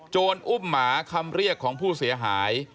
อุ้มหมาคำเรียกของผู้เสียหาย